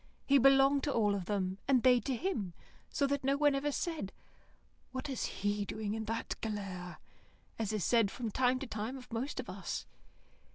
He belonged to all of them, and they to him, so that no one ever said "What is he doing in that galère?" as is said from time to time of most of us.